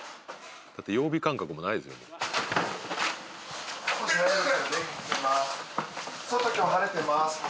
だって曜日感覚もないですよ。